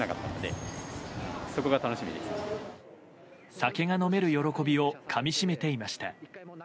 酒が飲める喜びをかみ締めていました。